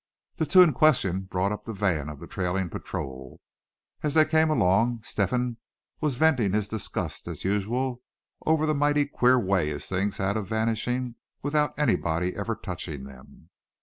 The two in question brought up the van of the trailing patrol. As they came along Step hen was venting his disgust as usual over the "mighty queer way" his things had of vanishing without anybody ever touching them.